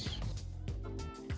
kalau buat makan yang direbus